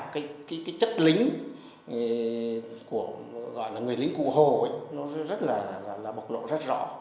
cái chất lính của người lính cụ hồ nó rất là bộc lộ rất rõ